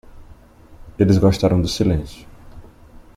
Eles gostaram do silêncio.